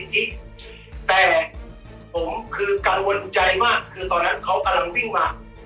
พลิกแต่ผมคือกังวลใจมากคือตอนนั้นเขากำลังวิ่งมา